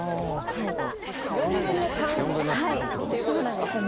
４分の３っていうことですか？